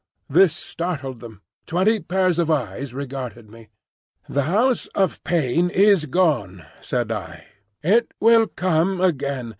This startled them. Twenty pairs of eyes regarded me. "The House of Pain is gone," said I. "It will come again.